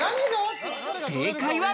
正解は。